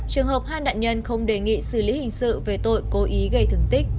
trường hợp hai nạn nhân không đề nghị xử lý hình sự về tội cố ý gây thương tích